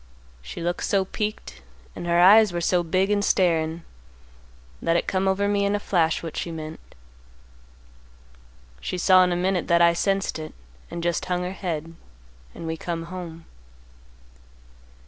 She looked so piqued and her eyes were so big and starin' that it come over me in a flash what she meant. She saw in a minute that I sensed it, and just hung her head, and we come home.